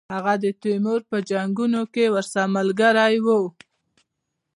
هغه د تیمور په جنګونو کې ورسره ملګری وو.